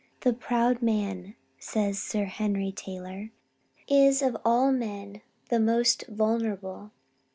"The proud man," says Sir Henry Taylor, "is of all men the most vulnerable.